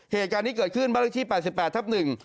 เหตุจาณนี้เกิดขึ้นบั้งที่๘๘ทับหนึ่ง